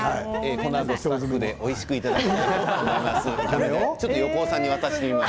このあとおいしくいただきたいと思います。